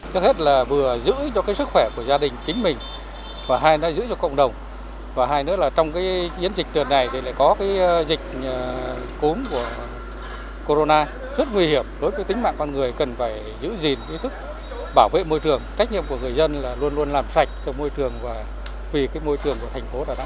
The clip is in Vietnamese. đối với tính mạng con người cần phải giữ gìn ý thức bảo vệ môi trường trách nhiệm của người dân là luôn luôn làm sạch cho môi trường và vì cái môi trường của thành phố đà nẵng của chúng ta